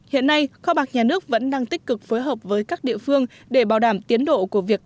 hiện nay kho bạc nhà nước vẫn đang tích cực phối hợp với các địa phương để bảo đảm tiến độ của việc